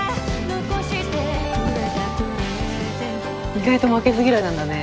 「意外と負けず嫌いなんだね」